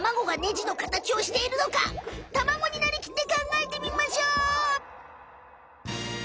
卵になりきって考えてみましょう！